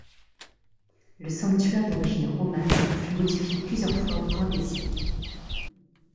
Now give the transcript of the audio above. Le Sanctuaire d’origine romane, fut modifié plusieurs fois au cours des siècles.